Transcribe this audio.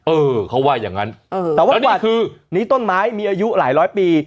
อือเขาว่าอย่างงั้นนี่ต้นไม้มีอายุหลายร้อยปี